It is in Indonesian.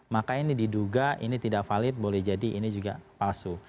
maka ini diduga ini tidak valid boleh jadi ini juga palsu